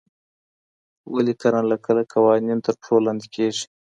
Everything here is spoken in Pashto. ولي کله ناکله قوانين تر پښو لاندې کيږي؟